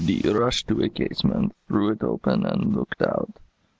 D rushed to a casement, threw it open, and looked out.